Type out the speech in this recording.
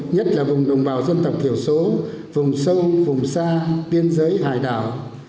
nhất là vùng đồng bào dân tộc thiểu số vùng sâu vùng xa biên giới hải đảo